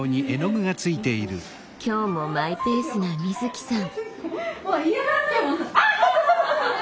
今日もマイペースなみずきさん。